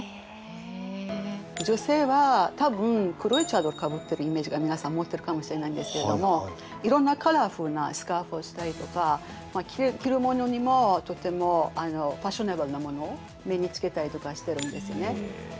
女性は多分黒いチャドルかぶってるイメージが皆さん持ってるかもしれないんですけれどもいろんなカラフルなスカーフをしたりとか着るものにもとてもファッショナブルなものを身につけたりとかしてるんですよね。